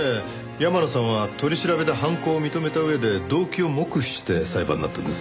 山野さんは取り調べで犯行を認めた上で動機を黙秘して裁判になったんです。